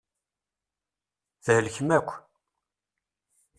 Thelkem akk.